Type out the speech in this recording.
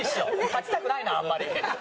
立ちたくないなあんまり。